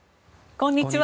こんにちは。